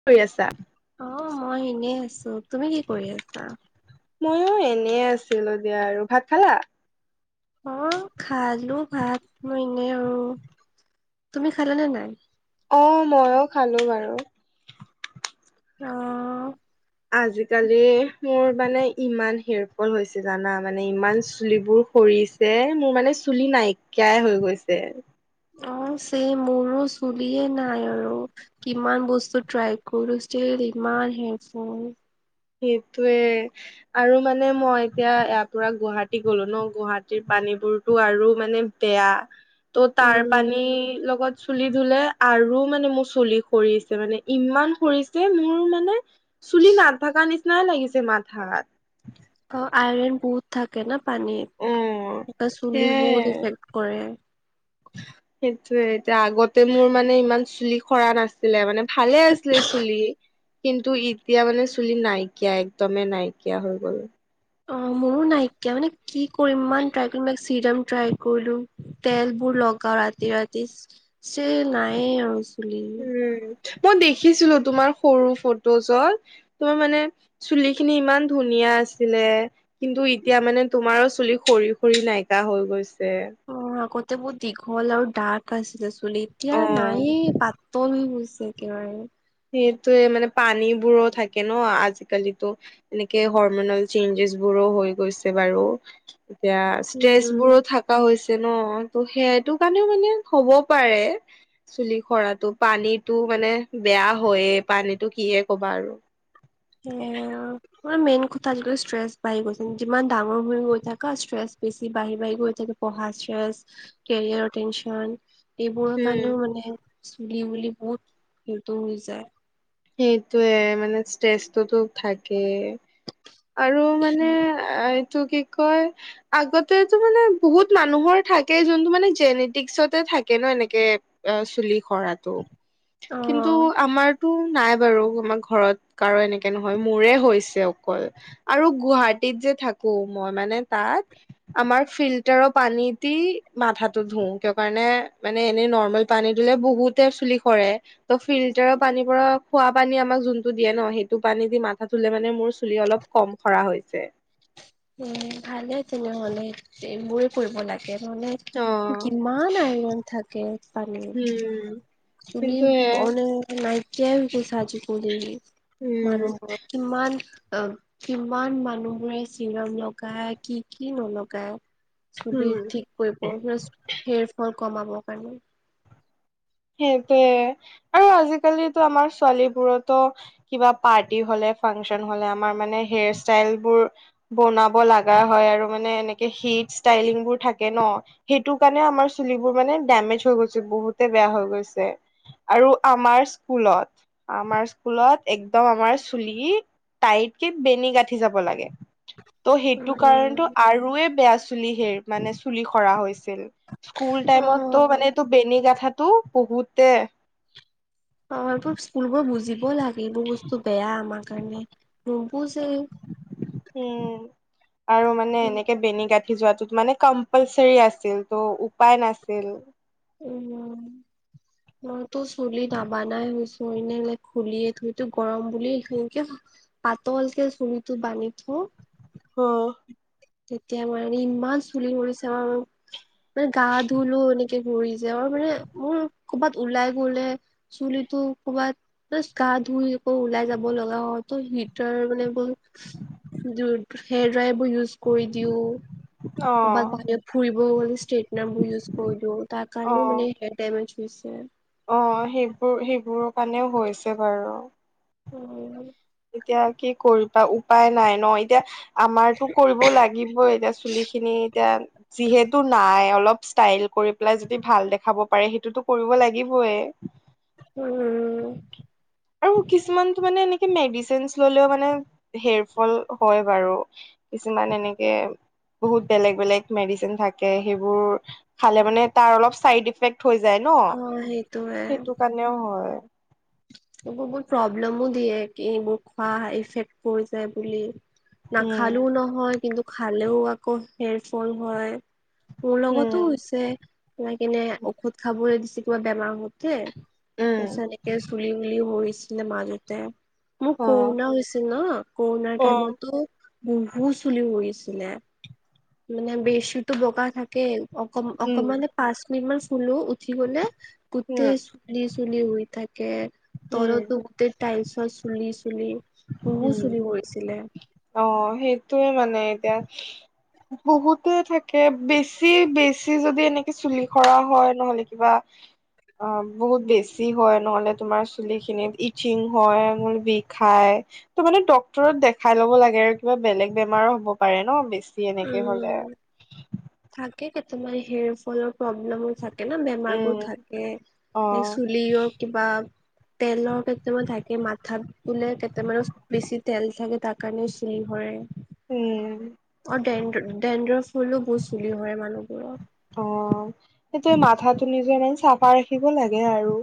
কি কৰি আছা? অ' মই এনে আছো তুমি কি কৰি আছা। ময়ো এনে আছিলো দিয়া আৰু ভাত খালা? অ খালো ভাত মই এনে আৰু তুমি খালা নে নাই। অ' ময়ো খালো বাৰু অ' আজিকালি মোৰ মানে ইমান হেয়াৰ ফল হৈছে জানা মানে ইমান চুলিবোৰ সৰিছে। যে মোৰ মানে চুলি নাইকিয়াই হৈ গৈছে। অ' চেম সেই মোৰো চুলিয়ে নাই আৰু। কিমান বস্তু ট্ৰাই কৰিলোঁ ষ্টিল ইমান হেয়াৰফল। সেইটোৱে। আৰু মানে মই এতিয়া ইয়াৰ পৰা গুৱাহাটী গলো ন 'গুৱাহাটীৰ পানীবোৰতো আৰু মানে। তেয়া ত তাৰ উম পানী লগত। চুলি ধুলে আৰু মানে মোৰ চুলি সৰিছে মানে ইমান সৰিছে মোৰ মানে। চুলি নাথাকা নিচিনাই লাগিছে মাথাত। অ' আইৰন বহুত থাকে ন পানী অ এ চুলিত বহুত সেয়াই ইফেক্ট কৰে। সেইটোয়ে এতিয়া আগতে মোৰ মানে ইমান চুলি সৰা নাছিল। আছিলে মানে ভালে আছিলে চুলি। কিন্তু এতিয়া মানে চুলি নাইকিয়া একদমে নাইকিয়া হৈ গ'ল। অ মোৰো নাইকিয়া মানে কি কৰিম ইমান ট্ৰাই কৰিলো চিৰাম ট্ৰাই কৰিলো তেল বোৰ লগাও ৰাতি ৰাতি চ নাইয়ে আৰু। চুলি উম মই দেখিছিলো তোমাৰ সৰু ফটো জত তোমাৰ মানে। চুলি খিনি ইমান ধুনীয়া আছিলে। কিন্তু এতিয়া মানে তোমাৰো চুলি সৰি সৰি নাইকিয়া হৈ গৈছে। অ' আগতে বহুত দীঘল আৰু ডাৰ্ক আছিলে চুলি এতিয়া অ নাই পা পাতল হৈছে একেবাৰে সেইটোয়ে মানে পানীবোৰো থাকে ন আজিকালিতো। এনেকে হৰমনেল চেঞ্জেছ বোৰো হৈ গৈছে বাৰু। এতিয়া ষ্ট্ৰেচ উম। বোৰো থাক। কা হৈছে ন, ত' সেয়া সেইটো কাৰণেও মানে হব পাৰে। চুলি সৰাটো পানীটো মানে, বেয়া হয়ে পানীটো কিহে কবা আৰু। সেয়ে আৰু। মাৰ মেইন কথা আজিকাল ষ্ট্ৰেছ বাঢ়িব গৈছে যিমান ডাঙৰ হৈ গৈ থাকা ষ্ট্ৰেছ বেছি বাঢ়ি বাঢ়ি গৈ থাকে। পঢ়া ষ্ট্ৰেছ কেৰিয়াৰৰ টেনচন। এইবোৰৰ উম কাৰণেও মানে চুলি বুলি বহুত সিটো হৈ যায়। সেইটোয়ে মানে ষ্ট্ৰেচটোতো থাকে। আৰু মানে উম। আ এইটো কি কয়? আগতেতো মানে বহুত মানুহৰ থাকে যোনটো মানে জেনেটিক্সতে থাকে ন' এনেকে অ', চুলি সৰাটো অ কিন্তু, আমাৰতো নাই বাৰু আমাৰ ঘৰত, কাৰো এনেকে নহয় মোৰে হৈছে অকল। আৰু গুৱাহাটীত যে থাকো মই মানে তাত আমাৰ ফিল্টাৰৰ পানী দি, মাথাটো ধু কিয় কাৰণে মানে এনেই নৰ্মেল পানী ধুলে বহুতে চুলি সৰে, ত' ফিল্টাৰৰ পানীৰ পৰা খোৱা পানী আমাক যোনটো দিয়ে ন' সেইটো পানী দি মাথা ধুলে মানে মোৰ চুলি অলপ কম সৰা হৈ যায়। এ ভালে তেনেহ'লে, এইবোৰে কৰিব লাগে অ নহ'লে কিমান আইৰন থাকে পানীত। উম চুলি কিন্তু এ মানে নাইকিয়াই হৈ গৈছে আজিকালি, উম মানুহবোৰ। কিমান অ', কিমান মানুহে চিৰাম লগায় কি কি নলগায়। চুলি উম ঠিক কৰিব প্লাছ, হেৰ ফল কমাবৰ কাৰণে। সেইটোৱে, আৰু আজিকালিতো আমাৰ ছোৱালীবোৰতো কিবা পাৰ্টি হলে ফাংচন হলে আমাৰ মানে হেয়াৰ ষ্টাইলবোৰ বনাব লগা হয় আৰু মানে এনেকে হিট ষ্টাইলিং বোৰ থাকে ন'। সেইটোৰ কাৰণেও আমাৰ চুলিবোৰ মানে ডেমেজ হৈ গৈছে বহুতে বেয়া হৈ গৈছে। আৰু আমাৰ স্কুলত আমাৰ স্কুলত একদম আমাৰ চুলি, টাইটকে বেনি গাঁঠি যাব লাগে। ত' সেইটো উম কাৰণেটো আৰুয়ে বেয়া চুলি হে মানে চুলি সৰা হৈছিল। স্কুল অ টাইমত ত' মানে এইটো বেনী গোথাাটো বহুতে অ', স্কুলবোৰ বুজিব লাগিব এইবোৰ বস্তু বেয়া আমাৰ কাৰণে, নুবুজে। উম, আৰু মানে এনেকে বেনি যোৱাটোত মানে কম্পালচৰি আছিল ত' উপায় নাছিল। উম, মইতো চুলি নাবানাই হৈছো এনে খুলিয়ে থৈতো গৰম বুলি এই এইখিনিকে, পাতলকে চুলিটো বান্ধি থওঁ। অ', তেতিয়া মানে ইমান চুলি স লৰিছে আৰু, মানে গা ধুলো এনেক কে সৰি যায় আৰু মানে মোৰ ক'ৰবাত ওলাই গ'লে চুলিটো ক'ৰবাত জাষ্ট গা ধুই আকৌ ওলাই যাব লগা হয় ত হিটাৰ মানে বোৰ [unintelligible] হেয়াৰ ড্ৰাইবোৰ ইউজ কৰি দিও। কৰবাত অ বাহিৰত ফুৰিব বুলি ষ্ট্ৰেটনাৰবোৰ ইউজ কৰিলো তাৰ কাৰণেও মানে ডেমেজ হৈছে। অ', সেইবোৰ-সেইবোৰৰ কাৰণেও হৈছে বাৰু। অ', এতিয়া কি কৰিবা উপায় নাই ন এতিয়া আমাৰতো কৰিব লাগিবই এতিয়া চুলি খিনি এতিয়া। যিহেতু নাই অলপ ষ্টাইল কৰি পেলাই যদি ভাল দেখাব পাৰে সেইটোতো কৰিব লাগিবয়ে। উম। আৰু কিছুমানটো মানে এনেকে মেডিচিনচ ললেও মানে হেৰ ফল হয় বাৰু। কিছুমান এনেকে বহুত বেলেগ বেলেগ মেডিচিন থাকে সেইবোৰ খালে মানে তাৰ অলপ চাইড ইফেক্ট- থৈ যায় ন অ সেইটোয়ে সেইটো কাৰণেও হয়। এইবোৰ বহুত প্ৰব্লেমো দিয়ে এইবোৰ খোৱাফেক্ট পৰি যায় বুলি। উম নাখালেও নহয় কিন্তু খালেও আকৌ হেৰফল হয়। মোৰ লগতো উম হৈছে এনেকেনে ঔষধ খাবলৈ দিছে কিবা বেমাৰ হওতে [unintelligible] উম এনেকে চুলি সৰিছিলে মাজতে, মোৰ অ কৰুণা হৈছিল ন কৰোণাৰ অ টাইমতো বহুত চুলি সৰিছিলে। মানে বেচুতো বগা থাকে অক উম অকমান- পাঁচ মিনিট মান শুলো উঠি গলে উম গোটেই চুলি চুলি হৈ থাকে। উম তলতো গোটেই টাইলছৰ চুলি চুলি বহু উম চুলি সৰিছিলে। অ' সেইটোয়ে মানে এতিয়া। বহুতে থাকে বেছি বেছি যদি এনেকে চুলি সৰা হয় নহলে কিবা- অ' বহুত বেছি হয় নহ'লে তোমাৰ চুলি খিনিত ইচিং হয় মোৰ বিষাই। ত মানে ডক্টৰ দেখাই লব লাগে আৰু কিবা বেলেগ বেমাৰো হব পাৰে ন বেছি এনেকে হলে। উম থাকে কেইটামান হেয়াৰ ফলৰ প্ৰব্লেমো থাকে। থাকে ন বেমাৰ বোৰ উম থাকে অ এই চুলিৰ কিবা। তেলৰ কেতি মান থাকে মাথাত বোলে কেতে মান- বেছি তেল থাকে তাৰ কাৰণে শিল ভৰে- উম। অ' ডেণ্ডৰফ ফুলো বহুত চুলি সৰে মানুহবোৰত। অ' সেইটোয়ে মাথাটো নিজৰ মানে চাফা ৰাখিব লাগে আৰু।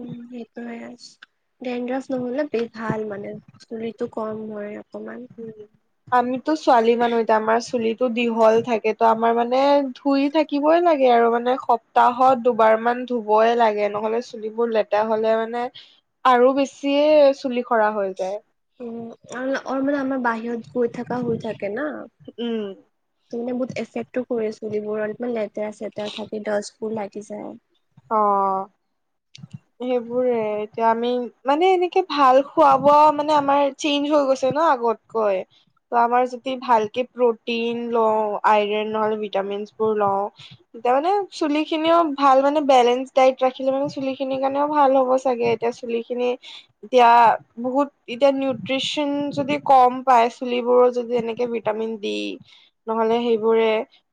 উ সেইটোয়ে আ ডেনড্ৰফ নহলে ভাল মানে চুলিটো কম হয় আৰু। উম। আমিতো ছোৱালী মানুহ এতিয়া আমাৰ চুলিটো দীঘল থাকে ত' আমাৰ মানে ধুই থা কিবই লাগে আৰু মানে সপ্তাহত দুবাৰ মান ধুবই লাগে নহলে চুলিবোৰ লেতেৰা হলে মানে। আৰু বেছিয়ে চুলি সৰা হৈ যায়। উম মানে আমাৰ বাহিৰত গৈ থাকা হৈ থাকে না। উম ত' মানে বহুত এফেক্টো কৰে চুলিবোৰ অলপমান লেতেৰা চেতেৰা থাকে, ডাষ্টবোৰ লাগি যায়। অ'। সেইবোৰে এতিয়া আমি মানে এনেকে ভাল খোৱা বোৱা মানে আমাৰ চেইঞ্জ হৈ গৈছে ন আগত। কয়- ত আমাৰ যদি ভালকে প্ৰটিন লও আইৰন নহলে ভিটামিনচ বোৰ লওঁ। তাৰ মানে চুলি খিনিও ভাল। মানে বেলেঞ্চ টাইপ ৰাখিলে মানে চুলি খিনিৰ কাৰণেও ভাল হ'ব চাগে এতিয়া চুলি খিনি। এতিয়া বহুত এতিয়া নিউট্ৰিচন যদি কম পায় চুলিবোৰো যদি এনেকে বি- ভিটামিন ডি - নহলে সেইবোৰে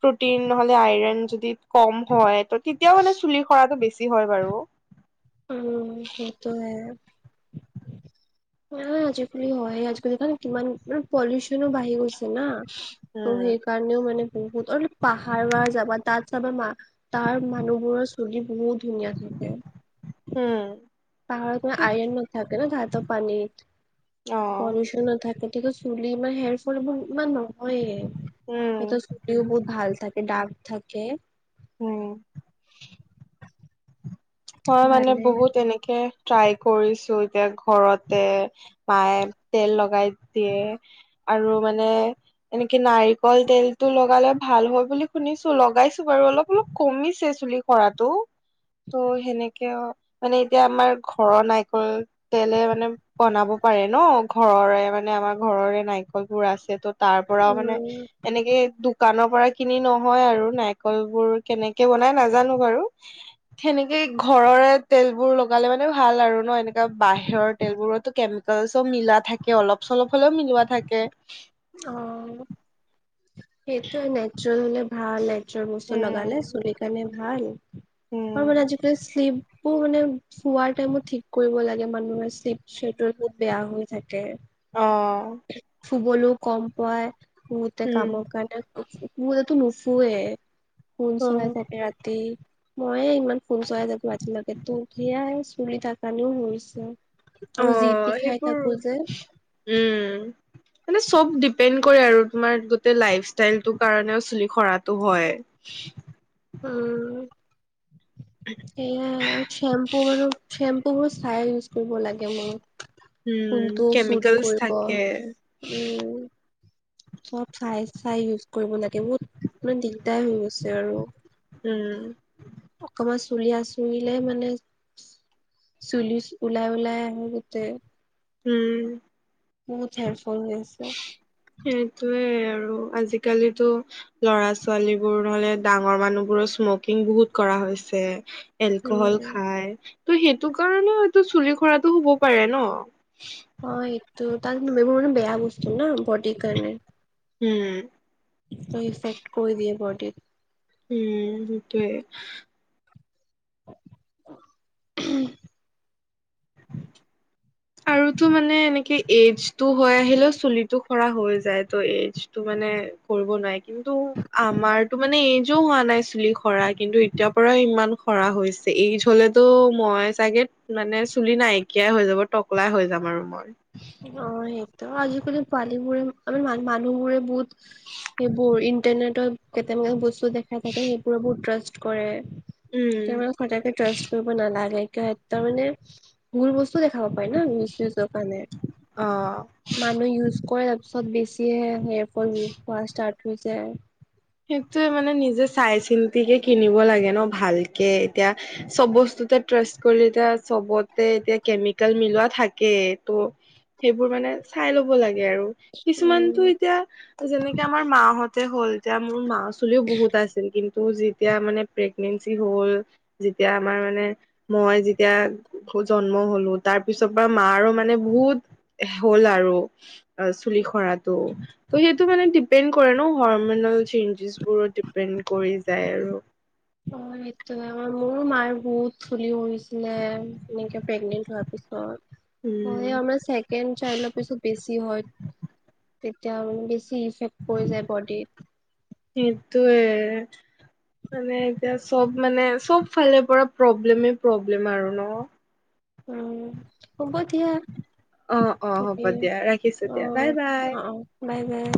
প্ৰটিন নহলে আইৰণ যদি কম হয় ত তেতিয়াও মানে। চুলি সৰাতটো বেছি হয় বাৰু। উম সেইটোৱে - না আজিকালি হয় আজি কালি কিমান মান পলিউচনো বাঢ়ি গৈছে। না ত' উম, সেইকাৰণেও মানে বহুত অলপ পাহাৰ যাবা তাত চাবা মা তাৰ মানুহবোৰৰ চুলি বহুত ধুনীয়া থাকে। উম। পাহাৰতে আইৰন নাথাকে ন তাহঁতৰ পানীত অ', পল্লিউচন নাথাকে। গতিকে চুলি ইমান হেৰ ফল ইমান নহয়ে উম, সিহঁতৰ ও বহুত ভাল থাকে ডাৰ্ক থাকে উম। মই মানে ভালে বহুত এনেকে ট্ৰাই কৰিছো এতিয়া ঘৰতে মায়ে তেল লগাই দিয়ে। আৰু মানে এনেকে নাৰিকল তেলটো লগালে ভাল হয় বুলি শুনিছো লগাইছো বাৰু অলপ অলপ কমিছে চুলি সৰাটো ত' সেনেকে মানে এতিয়া আমাৰ ঘৰৰ নাৰিকল তেলে মানে বনাব পাৰে ন ঘৰৰে মানে আমাৰ ঘৰৰে নাৰিকল বোৰ আছে ত' তাৰ পৰাও মানে উম এনেকে দোকানৰ পৰাই কিনি নহয় আৰু নাৰিকল বোৰ কেনেকে বনাই নাজানো বাৰু হেনে কেই ঘৰৰে তেলবোৰ লগালে মানে ভাল আৰু ন' এনেকা বাহিৰৰ তেলবোৰতো কেম চব মিলা থাকে অলপ চলপ হলেও মিলোৱা থাকে। অ সেইটোয়ে নেচুৰেল হলে ভালে নেচুৰাল বস্তু লগালে উম চুৰি কাৰণে ভাল, আৰু মানে উম আজিকালি শ্লিপু মানে শোৱাৰ টাইমত ঠিক কৰিব লাগে মানুহে শ্লিপ ছেটৰ বহুত বেয়া হৈ থাকে। অ শুবলৈও কম পায় বহুতে কামৰ উম কাৰণে কোনোৱে নুশুৱে ফোন অ চলাই থাকে ৰাতি মইয়ে ইমান ফোন চলাই থাকো ৰাতিলৈকে টো সেয়াই চুলি তাৰকাৰণেও হৈছে। অ আৰু জিতি খাই সেইবোৰ থাকো যে। উম। মানে চব ডিপেণ্ড কৰে আৰু তোমাৰ গোটেই লাইফ ষ্টাইলটো কাৰণেও চুলি সৰাটো হয়। [inaudible] উম, সেয়াই আৰু চেম্পু মানো চে ম্পু বোৰ চাই ইউজ কৰিব লাগে মোক উম, কোনটো চুট কেমিকেলছ কৰিব থাকে উম চব চাই চাই ইউজ কৰিব লাগে বহুত ইমান দিগদাৰ হৈ গৈছে আৰু উম, অকমান চুলি আচুৰিলে মানে চুলিচ উলাই উলাই আহে গোতে উম বহুত হেয়াৰফল হৈ আছে সেইটোৱে আৰু আজিকালিতো লৰা ছোৱালী বোৰ নহলে ডাঙৰ মানুহবোৰ স্মকিং বহুত কৰা হৈছে এলকহল উম খাই ত' সেইটো কাৰণে হয়তো চুলি সৰাটো হ'ব পাৰে ন। অ এইটো তাৰ এইবোৰ মানে বেয়া বস্তু ন বডিৰ কাৰণে উম। ত ইফেক্ট কৰি দিয়ে বডীত। উম সেইটোৱে। [inaudible] আৰুতো মানে এনেকে এইজটো হয় আহিলেও চুলি সৰা হৈ যায় ত' এইজটো মানে কৰিব নোৱাই কিন্তু আমাৰতো মানে এইজো হোৱা নাই চুলি সৰা কিন্তু এতিয়া পৰা ইমান সৰা হৈ চে এইজ হলেতো মই চাগে মানে চুলি নাইকিয়াই হৈ যাব টকলাই হৈ যাম আৰু মই। অ সেইটো আজিকালি পোৱালি বোৰে আমাৰ মান মানুহবোৰে বহুত এইবোৰ ইণ্টাৰনেটৰ কেতেম গে বস্তু দেখাই থাকে সেইবোৰে বহুত ট্ৰাষ্ট কৰে উম একেবাৰে সচাকে ট্ৰাষ্ট কৰিব নালাগে কিয় তাৰ মানে ভুল বস্তু দেখাবা পায় না, মিছ ইউজৰ কাৰনে অ মানুহে ইউজ কৰে তাৰ পিছত বেছিহে হেয়ৰফল হোৱা ষ্টাৰ্ট হৈ যায় সেইটোয়ে মানে নিজে চাই চিন্তিহে কিনিব লাগে ন ভালকে এতিয়া চব বস্তুতে ট্ৰাষ্ট কৰি এতিয়া চবতে এতিয়া কেমিকেল মিলোৱা থাকেই ত' সেইবোৰ মানে চাই ল'ব লাগে আৰু কিছুমানটো উম এতিয়া যেনেকে আমাৰ মা হতে হ'ল এতিয়া মোৰ মা চুলিও বহুত আছিল কিন্তু যেতিয়া মানে প্ৰেগনেঞ্চি হল যেতিয়া আমাৰ মানে মই যেতিয়া জন্ম হলো তাৰ পিছৰ পৰা মাৰো মানে বহুত হ'ল আৰু অ চুলি সৰাটো ত সেইটো মানে ডিপেণ্ড কৰে ন হৰম মনল চেইঞ্জবোৰ ডিপেণ্ড কৰি যায় আৰু অ সেইটোয়ে মোৰো মাৰ বহুত চুলি হৰিছিলে মেইনকে প্ৰেগনেণ্ট হোৱাৰ পিছত উম, হয় অ মানে চেকেণ্ড চাইল্ডৰ পিছত বেছি হয় তেতিয়া অলমান বেছি ইফেক্ট পৰি যায় বডিত সেইটোয়ে মানে এতিয়া চব মানে চব ফালে পৰা প্ৰব্লেমে প্ৰব্লেম আৰু ন উম হ'ব দিয়া অ', অ', হ'ব তুমি দিয়া ৰাখিছো অ দিয়া বাই বাই। অ অ বাই বাই